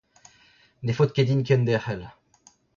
Ne faot ket din kenderc'hel.